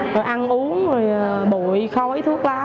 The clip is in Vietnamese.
rồi ăn uống bụi khói thuốc lá